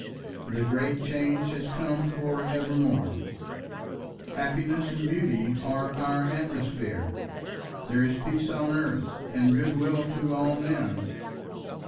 The great Change has come for ever more, happiness and beauty are our atmosphere, there is peace on earth and good will to all men.